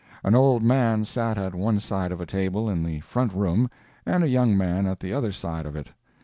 An old man sat at one side of a table in the front room, and a young man at the other side of it.